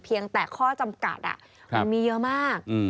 เพียงแต่ข้อจำกัดมันมีเยอะมาก